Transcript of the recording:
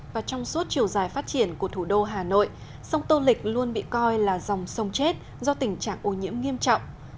và trong suốt chiều dài phát triển của thủ đô hà nội sông tô lịch luôn bị coi là dòng sông chết do tình trạng ô nhiễm nghiêm trọng